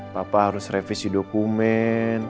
papa harus revisi dokumen